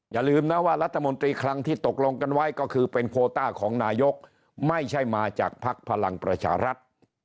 อย่าลืมนะว่ารัฐมนตรีครั้งที่ตกลงกันไว้ก็คือเป็นโคต้าของนายกไม่ใช่มาจากภักดิ์พลังประชารัฐ